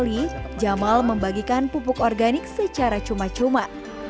hai jamal membagikan pupuk organik secara cuma cuma